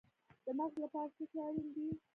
د مغز لپاره څه شی اړین دی؟